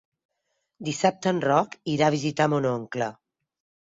Dissabte en Roc irà a visitar mon oncle.